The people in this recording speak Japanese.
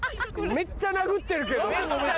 めっちゃ殴ってるよ！